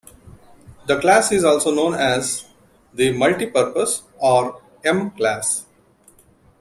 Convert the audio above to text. The class is also known as the "Multi-purpose" or M" class.